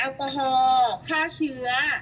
วันนี้ปลอดภัยที่สุดสำหรับส่วนรวมอันนี้คือสำคัญที่สุด